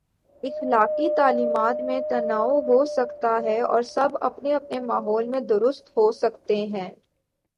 اخلاقی تعلیمات میں تنوع ہو سکتا ہے اور سب اپنے اپنے ماحول میں درست ہو سکتے ہیں۔